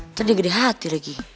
nanti dia gede hati lagi